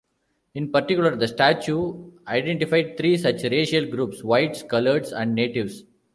In particular the statute identified three such racial groups: whites, coloureds and natives.